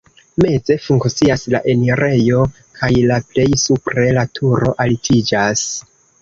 Meze funkcias la enirejo kaj la plej supre la turo altiĝas.